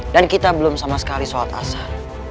dan kita belum sama sekali sholat asal